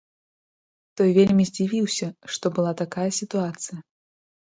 Той вельмі здзівіўся, што была такая сітуацыя.